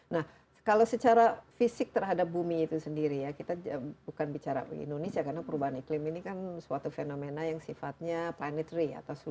nah kalau secara fisik terhadap bumi itu sendiri ya kita bukan bicara indonesia karena perubahan iklim ini kan suatu fenomena yang sifatnya plannitary